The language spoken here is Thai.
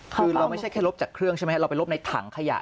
คือเราไม่ใช่แค่ลบจากเครื่องใช่ไหมเราไปลบในถังขยะ